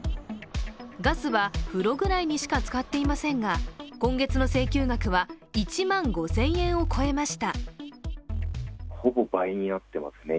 ガスは風呂ぐらいにしか使っていませんが、今月の請求額は１万５０００円を超えました。